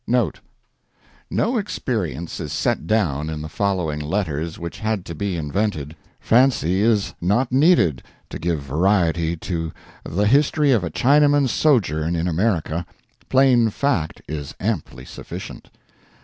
NOTE.—No experience is set down in the following letters which had to be invented. Fancy is not needed to give variety to the history of a Chinaman's sojourn in America. Plain fact is amply sufficient.